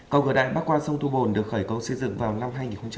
cầu cửa đại bắc qua sông thu bồn được khởi công xây dựng vào năm hai nghìn một mươi